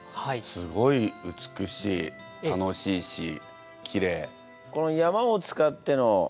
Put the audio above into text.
すごい美しい楽しいしきれい。